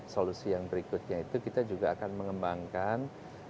solusi yang berikutnya itu kita juga akan mengembangkan